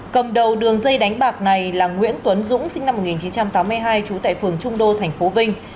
cầm đầu đường dây đánh bạc này là nguyễn tuấn dũng sinh năm một nghìn chín trăm tám mươi hai trú tại phường trung đô tp vinh